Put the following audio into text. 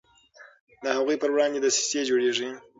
د هغوی پر وړاندې دسیسې جوړیږي.